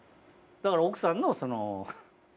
だから奥さんのその。